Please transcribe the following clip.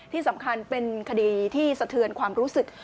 ที่สำคัญเป็นคดีที่สะเทือนความรู้สึก